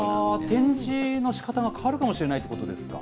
展示のしかたが変わるかもしれないということですか。